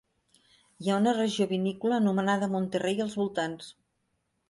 Hi ha una regió vinícola anomenada Monterrey als voltants.